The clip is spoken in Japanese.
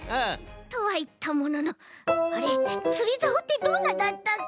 とはいったもののあれつりざおってどんなだったっけ？